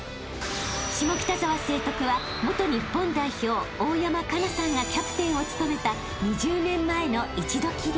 ［下北沢成徳は元日本代表大山加奈さんがキャプテンを務めた］